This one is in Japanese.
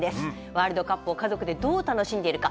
ワールドカップを家族でどう楽しんでいるか。